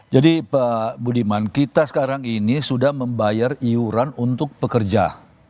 jadi pak budiman kita sekarang ini sudah membayar iuran untuk pekerja